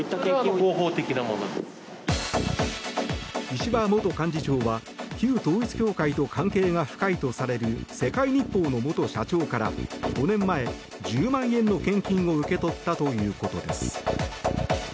石破元幹事長は旧統一教会と関係が深いとされる世界日報の元社長から５年前、１０万円の献金を受け取ったということです。